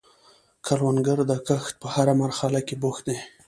کروندګر د کښت په هره مرحله کې بوخت دی